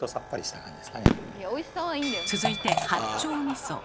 続いて八丁みそ。